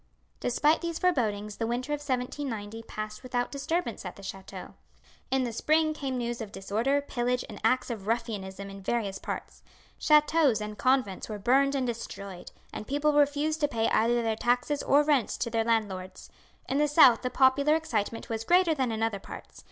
Despite these forebodings the winter of 1790 passed without disturbance at the chateau. In the spring came news of disorder, pillage, and acts of ruffianism in various parts. Chateaux and convents were burned and destroyed, and people refused to pay either their taxes or rents to their landlords. In the south the popular excitement was greater than in other parts.